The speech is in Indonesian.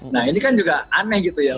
nah ini kan juga aneh gitu ya